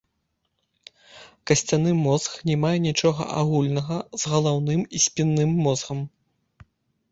Касцяны мозг не мае нічога агульнага з галаўным і спінным мозгам.